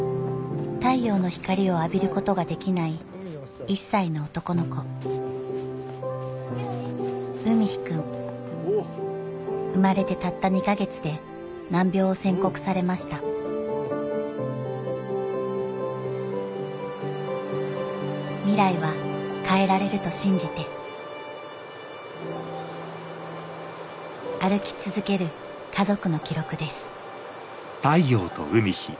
太陽の光を浴びることができない１歳の男の子海陽くん生まれてたった２か月で難病を宣告されました未来は変えられると信じて歩き続ける家族の記録です